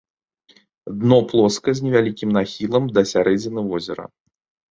Дно плоскае з невялікім нахілам да сярэдзіны возера.